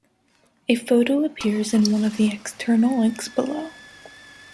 A photo appears in one of the external links below.